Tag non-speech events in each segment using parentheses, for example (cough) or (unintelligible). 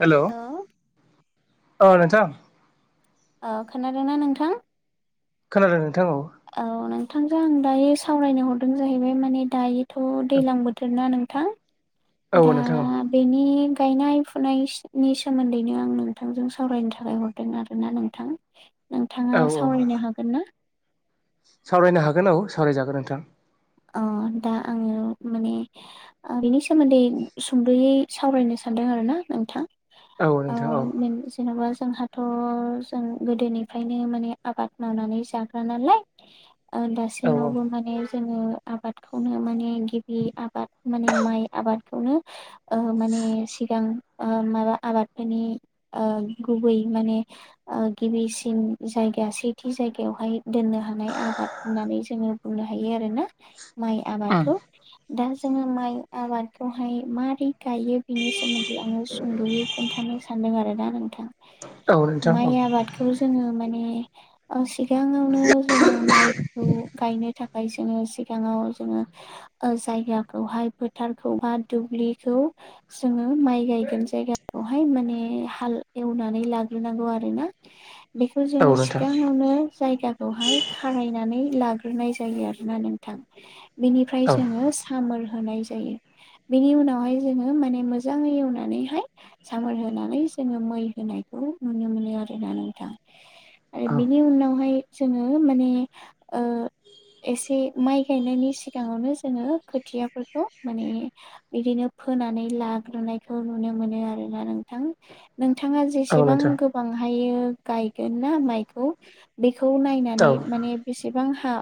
हेल' औ औ नोंथां। औ खोनादोंना नोंथां। खोनादों नोंथां औ। नोंथांजों आं दायो सावरायनो हरदों जाहैबाय माने दायोथ' दैलां बोथोरना नोंथां। औ दा नोंथां औ बेनि गायनाय फुनायनि सोमोन्दैनो आं नोंथांजों सावरायनो थाखाय हरदों आरोना नोंथां। औ नोंथाङा औ सावरायनो हागोनना। सावरायनो हागोन औ सावराय जागोन नोंथां। अ दा आङो माने बिनि सोमोन्दै सुंद'यै। सावरायनो सानदों आरोना नोंथां औ नोंथां औ जेन'बा। जोंहाथ' जों गोदोनिफ्रायनो माने आबाद मावनानै जाग्रा नालाय। औ दासिमावबो माने जोङो। आबादखौनो माने गिबि आबाद माने माइ आबादखौनो माने। माबा आबादफोनि गुबै माने गिबिसिन जायगा सेथि जायगायावहाय दोननो हानाय आबाद होननानै जोङो बुंनो हायो आरोना। माइ औ आबादखौ दा जोङो माइ आबादखौहाय मारै गायो बिनि सोमोन्दै आङो सुंद'यै खोन्थानो सानो। आरोना नोंथां औ नोंथां औ माइ आबादखौ जोङो माने। सिगाङावनो जोङो माइखौ गायनो थाखाय जोङो। सिगाङाव जोङो जायगाखौहाय फोथारखौ बा दुब्लिखौ जोङो। माइ गायगोन जायगाखौहाय माने हाल एवनानै लाग्रोनांगौ आरोना। बेखौ औ जोङो नोंथां सिगाङावनो जायगाखौहाय खारायनानै लाग्रोनाय जायो आरोना नों बेनिफ्राय औ जोङो सामार होनाय बेनि उनावहाय जोङो माने मोजाङै एवनानैहाय सामार होनानै जोङो। मै होनायखौ नुनो मोनो आरोना नोंथां। आरो औ बिनि उनावहाय जोङो माने एसे माइ गायनायनि सिगाङावनो जोङो खोथियाफोरखौ माने बिदिनो फोनानै ला लाग्रोनायखौ नुनो मोनो आरोना नोंथां। नोंथाङा औ जेसेबां नोंथां गोबां हायो गायगोन ना माइखौ बे बेखौ औ नायनानै माने बेसेबां हा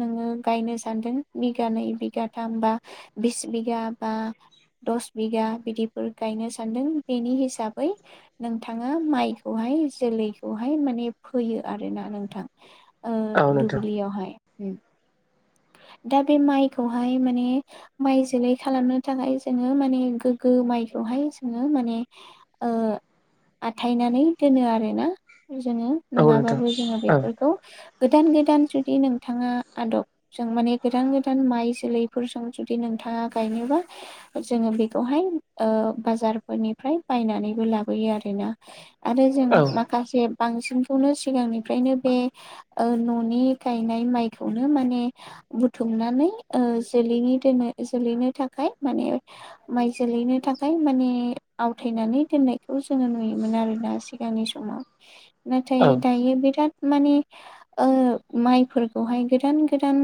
नोङो गायनो सानदों बिगानै बिगाथाम बा बिस बिगा बा दस बिगा बिदिफोर गायनो सानदों बेनि हिसाबै नोंथाङा माइखौहाय जोलैखौहाय माने फैयो आरोना नोंथां। औ नोंथां दुब्लियावहाय। दा बे माइखौहाय माने माइ जोलै खालामनो थाखाय जोङो माने गोग्गो माइखौ बेवहाय जोङो माने आथायनानै दोनो आरोना। जोङो औ नोंथां नङाबाबो जोङो औ बेफोरखौ गोदान गोदान जुदि नोंथाङा आदब जों माने गोदान गोदान माइ जोलैफोरजों जुदि नोंथाङा गायनोबा जोङो बेखौहाय। बाजारफोरनिफ्राय बायनानैबो लाबोयो आरोना। आरो जों औ नोंथां औ नोंथां औ माखासे बांसिनखौनो सिगांनिफ्रायनो बे न'नि गायनाय माइखौनो माने। बुथुमनानै जोलैनि दोन जोलैनो थाखाय माने माइ जोलै नो थाखाय माने आवथायनानै दोननायखौ जोङो नुयोमोन आरोना सिगांनि समाव। नाथाय दायो बिराद माने माइफोरखौहाय गोदान गोदान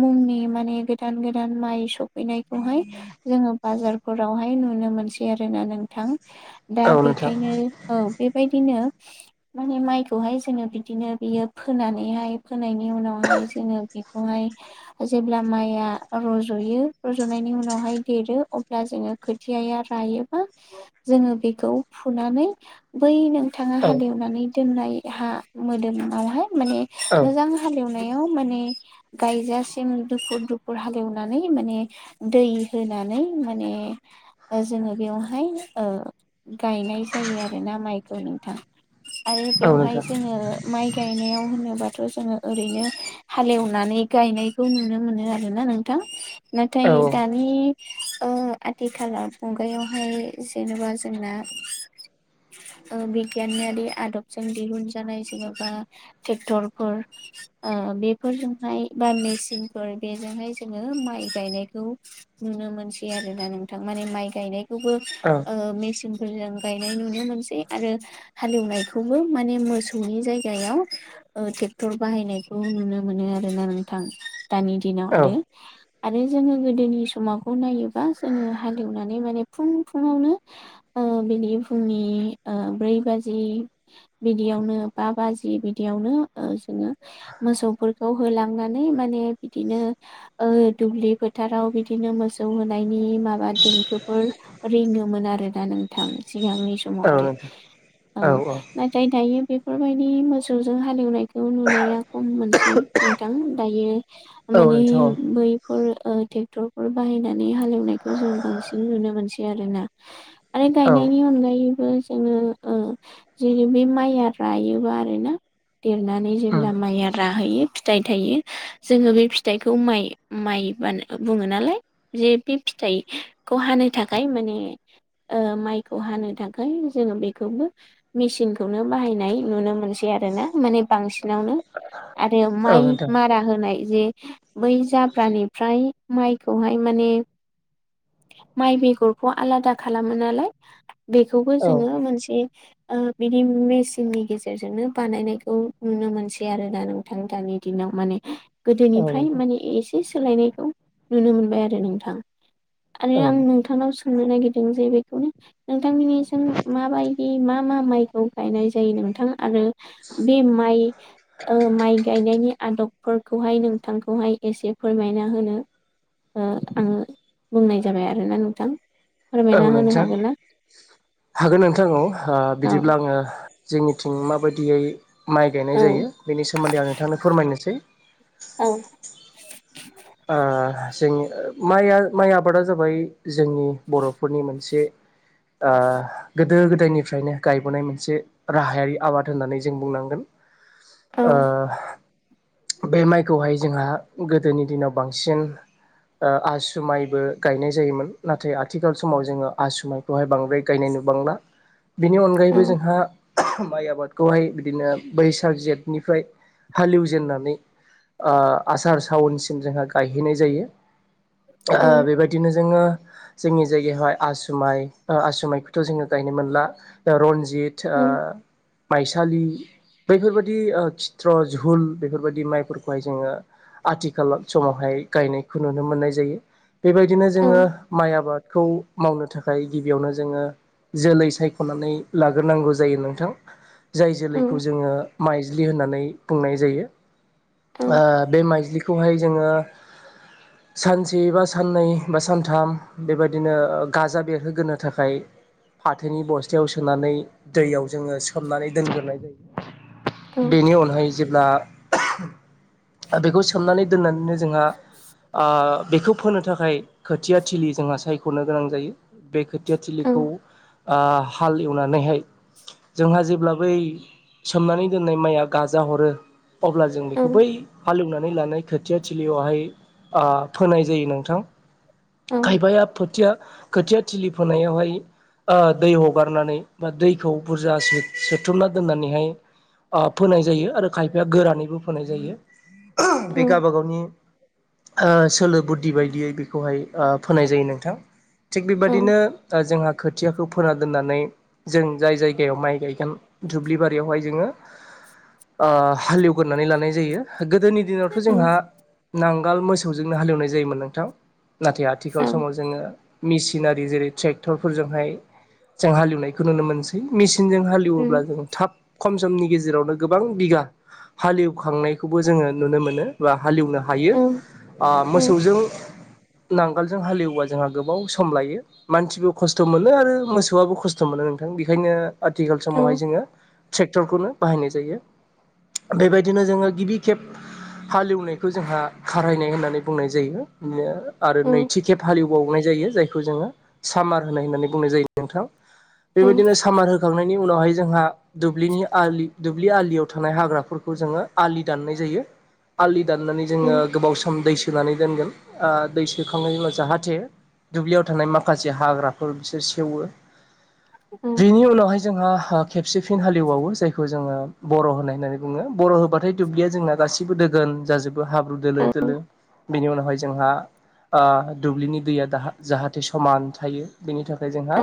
मुंनि माने गोदान गोदान माइ सफैनायखौहाय जोङो बाजार फोरावहाय नुनो मोनसै आरोना नोंथां दा औ नोंथां बेखायनो औ बेबायदिनो। माने माइखौहाय जोङो बिदिनो बियो फोनानैहाय फोनायनि उनावहाय जोङो बेखौहाय जेब्ला माइआ रज'यो रज'नायनि उनावहाय देरो अब्ला खोथिया रबा जोङोखौ फुनानै बै न बिथाङा औ हालेवनानै दोननाय हा मोदोमावहाय माने औ मोजां हालेवनायाव माने गायजासिम दुफुर दुफुर हालेवनानै माने दै होनानै माने जोङो बेवहाय गायनाय जायो आरोना माइखौ नोंथां। आरो औ बेवहाय नोंथां जोङो माइ गायनायाव होनोबाथ' जोङो ओरैनो हालेव नानै गायनायखौ नुनो मोनो आरोना नोंथां नाथाय औ दानि आथिखालाव मुगायावहाय जेनेबा जोंना बि बिगियानारि आदबजों दिहुन जानाय जेन'बा ट्रेक्टरफोर बेफोरजों हाय बा मेचिनफोर बेजोंहाय जोङो माइ गायनायखौ नुनो मोनसै आरो दा नों थां माइ गायनायखौबो ओ मे फोरजों गायनाय नुनो मोनसै आरो हालेवनायखौबो माने मोसौनि जायगायाव। ट्रेक्टर बाहायनायखौ नुनो मोनो आरोना नोंथां दानि दिनाव आरो। औ आरो जोङो गोदोनि समावखौ नायोबा जोङो हालेवनानै माने फुं फुङावनो बिदि फुंनि ब्रै बाजि बिदियावनो बा बाजि बिदियाव जों मोसौ फोर खौ होलांनानै माने बिदिनो दुब्लि फोथाराव बिदिनो मोसौ होनायनि माबा देंखोफोर रिङोमोन आरोना नोंथां। सिगांनि औ समाव आरो नोंथां औ नाथाय दायो बे बेफोरबायदि मोसौजों हालेवनायखौ नुनाया खम मोनसै नोंथां दायो माने औ बैफोर ट्रेक्टरफोर बाहायना नै हालेवनायखौ जों बांसिन नुनो मोनसै आरोना आरो नोंथां गायनायनि अनगायैबो जोङो ओ जेरनि बे माइया रायोबा आरोना देरनानै जेब्ला माइया राहैयो फिथाइ थायो जोङो बे फिथाइखौ माइ माइ बुङो नालाय जे बे फिथाइखौ हानो थाखाय माने माइखौ हानो थाखाय जोङो बेखौबो मेसिनखौनो बाहायनाय नुनो मोनसै आरोना माने बांसिनावनो। आरो माइ मारा होनाय जे बै जाब्रानिफ्राय माइखौहाय माने माइ बेगरखौ आलादा खालामो नालाय बेखौबो जोङो मोनसे बिदि मेसिननि गेजेरजोंनो बानायनायखौ नुनो मोनसै आरो दा नों थां दिनाव माने गोदोनिफ्राय माने एसे सोलायनायखौ नुनो मोनबाय आरो नोंथां आरो आं नोंथांनाव सोंनो नागिर दों जे बेखौनो नोंथांनि माबायदि मा मा माइ- खौ गायनाय जायो नोंथां आरो बे माइ ओ माइ नि आदबफोरखौहाय नोंथांखौहाय एसे फोरमायना होनो आङो बुंनाय जाबाय आरोना नोंथां। औ फोरमायना होनो नोंथां हागोन ना हागोन नोंथां औ बिदिब्ला आङो जोंनिथिं माबायदियै माइ औ गायनाय जायो बेनि सोमोन्दै आं नोंथांनो फोरमायनोसै औ अ जोंनि माइआ माइ आबादा जाबाय जोंनि बर'फोरनि मोनसे (inaudible) आ गोदो-गोदायनिफ्रायनो गायबोनाय मोनसे राहायारि आबाद होननानै जों बुंनांगोन औ ओ बे माइखौहाय जोंहा गोदोनि दिनाव बांसिन ओ आसु माइबो गायनाय जायोमोन। नाथाय आथिखाल समाव जोङो आसु माइखौहाय बांद्राय गायनाय बांला बिनि औ अनगायैबो जोंहा माइ आबादखौहाय बिदिनो बैसाग-जेठनिफ्राय हालेवजेननानै आ आसार-सावनसिम जोंहा गायहैनाय जायो बेबायदिनो जोङो जोंनि जायगायावहाय आसुमाइ आसुमाइखौथ' जोङो गायनो मोनला दा रनजित ओ माइसालि बैफोरबायदि खिथ्र झहुल बेफोरबायदि माइफोरखौहाय जोङो आथिखालाव समावहाय गायनायखौ नुनो मोननाय जायो बेबायदिनो जोङो माइ आबाद खौ मावनो थाखाय गिबियावनो जोङो जोलै सायख'नानै लाग्रोनांगौ जायो नोंथां जाय जोलैखौ जोङो माइज्लि होननानै बुंनाय जायो बे माइज्लिखौ जोङो सानसे बा साननै बा सानथाम बेबायदिनो गाजा बेरहोग्रोनो थाखाय फाथोनि बस्थायाव सोनानै दैयाव जोङो सोमनानै दोनग्रोनाय जायो बेनि अनगायै जेब्ला बेखौ सोमनानै दोननानैनो जोंहा ओ बेखौ फोनो थाखाय खोथिया थिलि जोंहा सायख'नो गोनां जायो। बे खोथिया थिलिखौ ओ हाल एवनानैहाय जोंहा जेब्ला बै सोमनानै दोननाय माइया गाजा हरो अब्ला जों बेखौ बै हालेवनानै लानाय खोथिया थिलियावहाय फोनाय ओ जायो नोंथां। औ खायफाया खोथिया खोथिया थिलि फोनायावहाय ओ दै हगारनानै बा दैखौ बुरजा सोथुमना दोननानैहाय ओ फोनाय जायो आरो खायफाया गोरानैबो फोनाय जायो बे गावबा गावनि ओ सोलो बुद्धि बायदियै बेखौहाय फोनाय जायो नोंथां थिग बेबायादिनो जोंहा खोथिया खौ फोना दोननानै जों जाय जायगायाव माइ गायगोन दुब्लि बारियावहाय जोङो हालेवगोरनानै लानाय जायो गोदोनि दिनावथ' जोंहा नांगाल मोसौजोंनो हालेवनाय जायोमोन नोंथां नाथाय आथिखाल समाव जोङो मिसि नआरि जेरै ट्रेक्टरफोरजोंहाय जों हाल एवनायखौ नुनो मोनसै मिसि नजों हालेवोब्ला औ जों थाब खम समनि गेजेरावनो गोबां बिगा हालेवखांनायखौबो जोङो नुनो मोनो बा हालेवनो हायो ओ मोसौजों नांगोलजों हालेवबा जोंहा गोबाव सम लायो मानसिबो खस्थ' मोनो आरो मोसौआबो खस्थ' मोनो नोंथां। बेखायनो आथिखाल समावहाय जोङो ट्रेक्टरखौनो बाहायनाय जायो बेबायदिनो जोङो गिबि खेब हालेवनायखौ जोंहा खारायनाय होननानै बुंनाय जायो बिदिनो आरो नैथि खेब हालेवबावनाय जायो जायखौ जोङो सामार होनाय होननानै बुंनाय जायो नोंथां बेबायदिनो सामार होखांनायनि उनावहाय जोंहा दुब्लिनि आलि दुब्लि आलियाव थानाय हाग्राफोरखौ जोङो आलि दाननाय जायो आलि दाननानै औ उम जोङो गोबाव सम दै सोनानै दोनगोन ओ दै सोखांनायनि उनाव जाहाथे दुब्लियाव थानाय माखासे हाग्राफोर बिसोर सेवो उम उम बिनि उनावहाय जोंहा ओ खेबसे फिन हालेवबावो जायखौ जोङो बर' होनाय होननानै बुङो बर' होबाथाय दुब्लिया जोंना गासिबो दो गोन जाजोबो हाब्रु दोलो दोलो बेनि उनावहाय जोंहा ओ दुब्लिनि दैया दाहा जाहाथे समान थायो। बेनि थाखाय जोंहा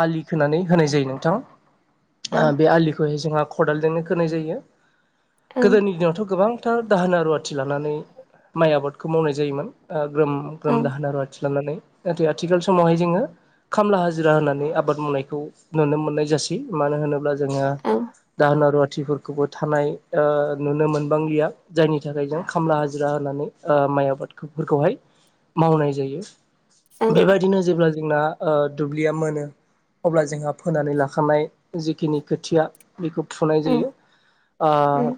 आलि खोनानै होनाय जायो नोंथां, ओ बे आलिखौहाय जोंहा खदालजोंनो खोनाय जायो। गोदोनि दिनावथ' गोबांथार दाहोना रुवाथि लानानै माइ आबादखौ मावनाय जायोमोन, ओ ग्रोम ग्रोम दाहोन रुवाथि लानानै। नाथाय आथिखाल समावहाय जोङो खामला हाजिरा होननानै आबाद मावनायखौ नुनो मोननाय जासै, मानो होनोब्ला जोङो दाहोना रुवाथिफोरखौबो थानाय ओ नुनो मोनबांलिया। जायनि थाखाय जों खामला हाजिरा होनानै ओ माइ आबादफोरखौहाय मावनाय जायो। बेबायदिनो जेब्ला जोंना ओ दुब्लिया मोनो अब्ला जोंहा फोनानै लाखानाय जिखिनि खोथिया बेखौ फुनाय जायो ओ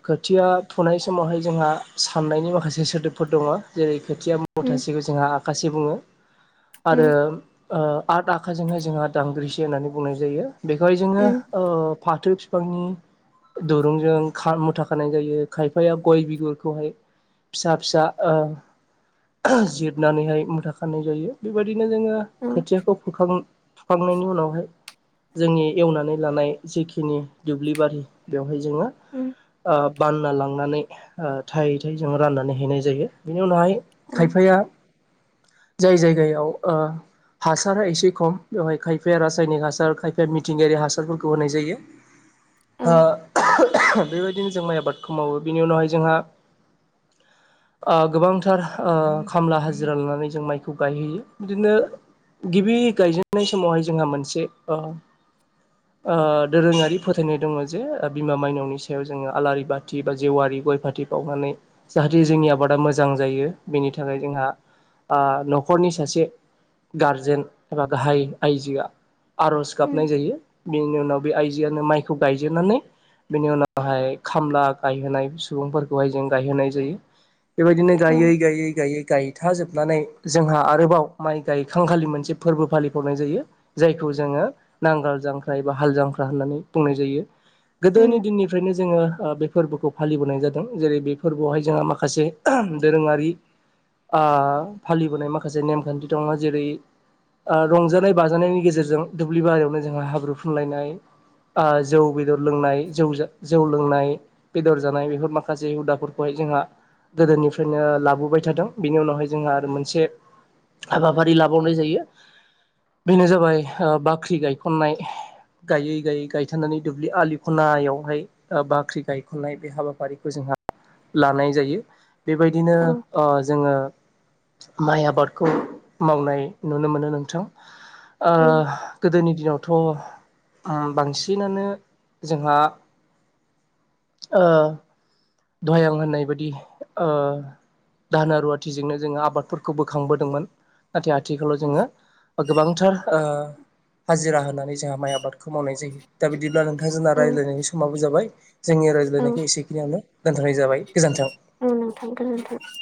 खोथिया फुनाय समावहाय जोंहा साननायनि माखासे सोदोबफोर दङ जेरै खोथिया मुथासेखौ जोंहा आखासे बुङो आरो ओ आठ खाजोंहाय जोंहा दांग्रिसे होननानै बुंनाय जायो बेखौहाय जोङो उम ओ फाथो बिफांनि दुरुंजों खार मुथा खानाय जायो, खायफा बे गय बिगुरखौहाय फिसा फिसा ओ जिरनानैहाय मुथा खानाय जायो बेबायदि बादिनो जोङो खोथियाखौ फुखां फुखांनायनि उनावहाय जोंनि एवनानै लानाय जिखिनि दुब्लिबारि बेवहाय जोङो औ ओ बान्ना लां लांनानै ओ थाय थाय जों राननानै हैनाय जायो। बिनि उनावहाय उम औ औ खायफाया जाय जायगायाव ओ हासारा एसे खम बेवहाय खायफाया रासायनिक हासार खायफाया मिथिंगायारि हासारफोरखौ होनाय जायो। ओ उम (unintelligible) बेबायदिनो जों माइ आबादखौ मावो बेनि उनावहाय जोंहा ओ गोबांथार ओ खामला हाजिरा लानानै जों माइखौ गायहैयो, बिदिनो गिबि गायजेननाय समावहाय जोंहा मोनसे ओ ओ दोरोङारि फोथायनाय दङ जे बिमा माइनावनि सायाव जोङो आलारि बा थि बा जेवारि गय फाथि बाउनानै जाहाथे जोंनि आबादा मोजां जायो बेनि थाखाय जोंहा ओह न'खरनि सासे गारजेन एबा गाहाइ आइजोआ औ आर'ज गाबनाय जायो। बेनि उनाव बे आइजोआनो माइखौ गायजेनानै बिनि उनावहाय खामला गायहोनाय सुबुंफोरखौहाय जों गायहोनाय जायो। बेबायदिनो गायै उम गायै गायै गायथाजोब नानै जोंहा आरोबाव माइ गायखांखालि मोनसे फोरबो फालिबावनाय जायो। जायखौ जोङो नांगाल जांख्रा एबा हाल जांख्रा होननानै बुंनाय जायो। औ गोदोनि दिननिफ्रायनो जोङो ओ बे फोरबोखौ फालिबोनाय जादों जेरै बे फोरबोआवहाय जोंहा माखासे (unintelligible) दोरोङारि ओ फालिबोनाय माखासे नेमखान्थि दङ जेरै ओ रंजानाय बाजानायनि गेजेरजों दुब्लि बारियावनो जोंहा हाब्रु फुनलायनाय ओ जौ बेदर लोंनाय जौ जौ लोंनाय बेदर जानाय बेफोर माखासे हुदाफोरखौहाय जोंहा गोदोनिफ्रायनो लाबोबाय थादों। बिनि उनावहाय जोंहा आरो मोनसे हाबाफारि लाबावनाय जायो बेनो जाबाय बाख्रि ओ गायखनन्नाय। गायै गायै गायथारनानै दुब्लि आलि खनायावहाय ओ बाख्रि गाय खननाय बे हाबाफारिखौ जोंहा लानाय जायो। बेबायदिनो औ ओ जोङो माइ आबादखौ मावनाय नुनो मोनो नोंथां। ओ गोदोनि दिनाव थ' बांसिनानो जोंहा ओ दहाय आं होननाय बायदि ओ दाहोना रुवाथिजोंनो जोङो आबादफोरखौ बोखांबोदोंमोन नाथाय आथिखालाव जोङो गोबांथार ओ हाजिरा होनानै जोंहा माइ आबादखौ मावनाय जायो दा बिदिब्ला नोंथां जोंना औ रायज्लायनायनि समाबो जाबाय जोंनि रायज्लायनायखौ एसेखिनियावनो दोनथ'नाय जाबाय गोजोन्थों औ नोंथां गोजोनथों।